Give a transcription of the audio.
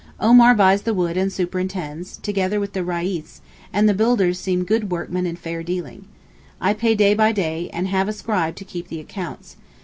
Omar buys the wood and superintends, together with the Reis, and the builders seem good workmen and fair dealing. I pay day by day, and have a scribe to keep the accounts.